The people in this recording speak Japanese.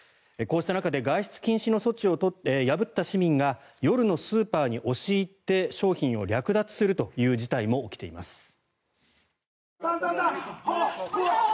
こうした中で外出禁止の措置を破った市民が夜のスーパーに押し入って商品を略奪するという事態も起きています。